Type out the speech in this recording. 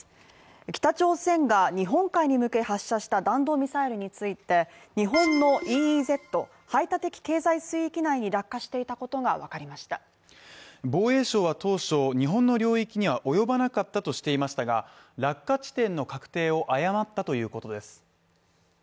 北朝鮮が日本海に向け発射した弾道ミサイルについて日本のＥＥＺ排他的経済水域内に落下していたことが分かりました防衛省は当初日本の領域には及ばなかったとしていましたが落下地点の確定を誤ったということです